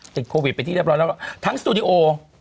ติดโควิดไปที่เรียบร้อยแล้วทั้งสตูดิโอ